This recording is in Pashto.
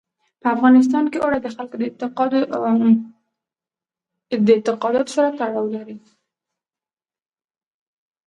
په افغانستان کې اوړي د خلکو د اعتقاداتو سره تړاو لري.